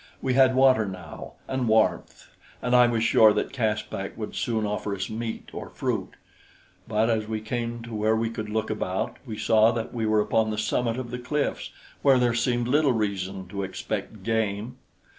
We had water now, and warmth, and I was sure that Caspak would soon offer us meat or fruit; but as we came to where we could look about, we saw that we were upon the summit of the cliffs, where there seemed little reason to expect game.